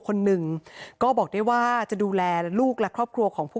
คนหนึ่งก็บอกได้ว่าจะดูแลลูกและครอบครัวของผู้